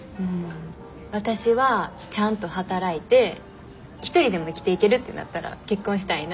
わたしはちゃんと働いて一人でも生きていけるってなったら結婚したいな。